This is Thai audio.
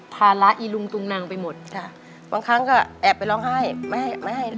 ภาระอีลุงตุงนังไปหมดจ้ะบางครั้งก็แอบไปร้องไห้ไม่ให้ไม่ให้